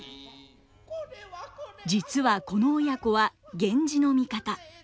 実はこの親子は源氏の味方。